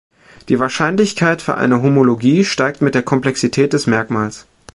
Die Wahrscheinlichkeit für eine Homologie steigt mit der Komplexität des Merkmals.